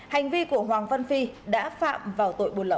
hành vi của hoàng văn phi đã phạm vào tội buôn lậu